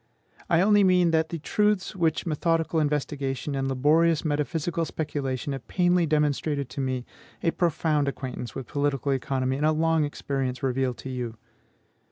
I only mean that the truths which methodical investigation and laborious metaphysical speculation have painfully demonstrated to me, a profound acquaintance with political economy and a long experience reveal to you.